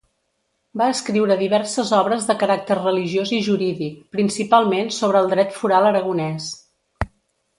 Va escriure diverses obres de caràcter religiós i jurídic, principalment sobre el dret foral aragonès.